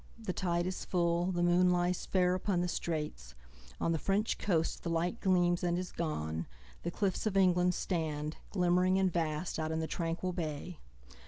The tide is full, the moon lies fairUpon the straits;—on the French coast the lightGleams and is gone; the cliffs of England stand, Glimmering and vast, out in the tranquil bay.